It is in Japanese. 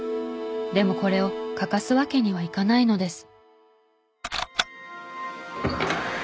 でもこれを欠かすわけにはいかないのです。